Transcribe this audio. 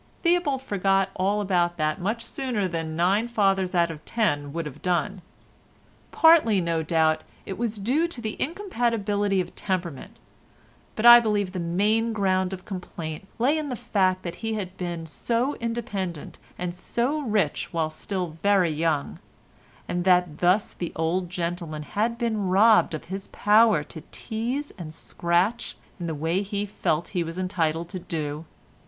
Theobald forgot all about that much sooner than nine fathers out of ten would have done. Partly, no doubt, it was due to incompatibility of temperament, but I believe the main ground of complaint lay in the fact that he had been so independent and so rich while still very young, and that thus the old gentleman had been robbed of his power to tease and scratch in the way which he felt he was entitled to do.